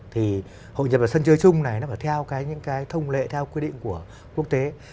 thì hội nhập ở sân chơi chung này nó phải theo những cái thông lệ theo quy định của quốc tế